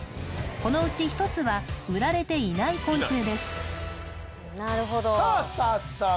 このうち１つは売られていない昆虫ですなるほどさあさあさあ